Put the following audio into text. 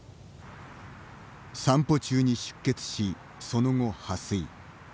散歩中に出血し、その後、破水。